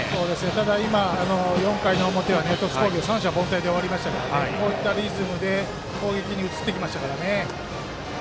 ただ、４回の表は鳥栖工業三者凡退で終わりましたからこういったリズムで攻撃に移ってきましたからね。